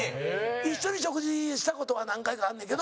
一緒に食事した事は何回かあんねんけど。